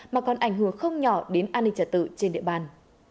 mà còn ảnh hưởng không nhỏ đến an ninh trả tự trên địa bàn